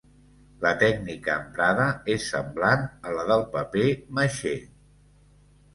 La tècnica emprada és semblant a la del paper maixé.